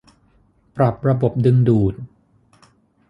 ปรับระบบดึงดูด